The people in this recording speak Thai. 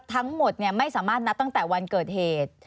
ทั้งหมดไม่สามารถนับตั้งแต่วันเกิดเหตุ